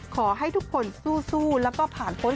ขอให้ทุกคนสู้แล้วก็ผ่านพ้น